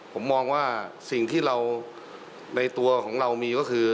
ผมมองว่าสิ่งที่เราในตัวของเรามีก็คือ